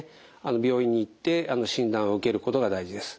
病院に行って診断を受けることが大事です。